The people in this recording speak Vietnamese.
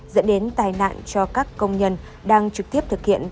dẫn đến tai nạn cho các công nhân đang trực tiếp thực hiện